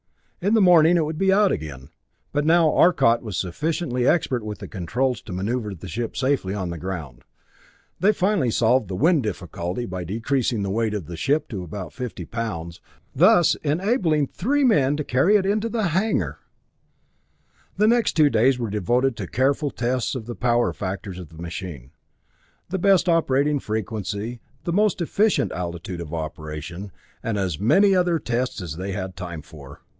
In the morning it would be out again. But now Arcot was sufficiently expert with the controls to maneuver the ship safely on the ground. They finally solved the wind difficulty by decreasing the weight of the ship to about fifty pounds, thus enabling the three men to carry it into the hanger! The next two days were devoted to careful tests of the power factors of the machine, the best operating frequency, the most efficient altitude of operation, and as many other tests as they had time for.